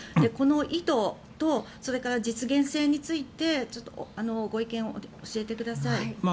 この意図とそれから実現性についてご意見を教えてください。